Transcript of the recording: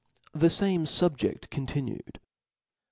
"The fame SubjeSl continued.